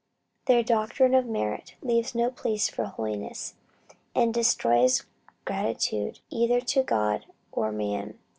"Their doctrine of merit, leaves no place for holiness, and destroys gratitude either to God or man."